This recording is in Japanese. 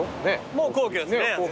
もう皇居ですね。